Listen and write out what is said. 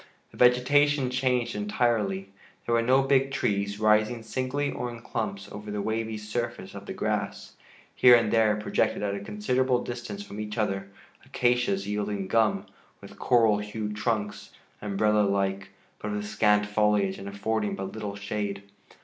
The vegetation changed entirely. There were no big trees, rising singly or in clumps over the wavy surface of the grass. Here and there projected at a considerable distance from each other acacias yielding gum, with coral hued trunks, umbrella like, but with scant foliage and affording but little shade.